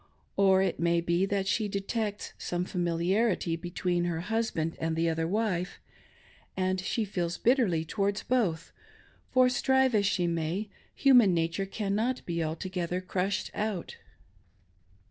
Or it may be that. she detects some familiarity between her hus band and the other wife ; and she feels bitterly towards both, for strive ' as she may, human nature cannot be altogether crushed out.